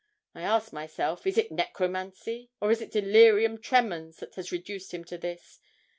I asked myself, is it necromancy, or is it delirium tremens that has reduced him to this?